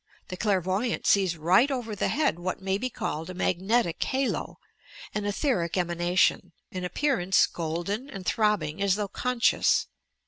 The clair voyant sees right over the head what may be called a magnetic halo — an etheric emanation, in appearance golden and throbbing as though conscious.